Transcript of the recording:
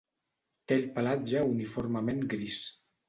Té el pelatge uniformement gris.